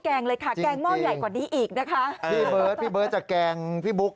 แกงพี่เบิ้ดพี่เบิ้ดจะแกงพี่บุ๊ค